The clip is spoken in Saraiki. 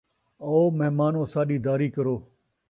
آو مہمانوں ساݙی داری کرو